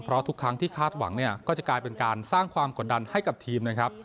เพราะทุกครั้งที่คาดหวังเนี่ยก็จะกลายเป็นการสร้างความกดดันให้กับทีมนะครับ